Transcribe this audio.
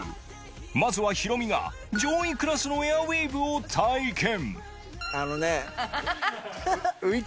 まずはヒロミが上位クラスのエアウィーヴを体験え！